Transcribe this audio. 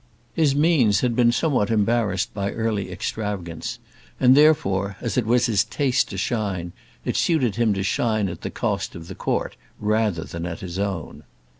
His means had been somewhat embarrassed by early extravagance; and, therefore, as it was to his taste to shine, it suited him to shine at the cost of the Court rather than at his own.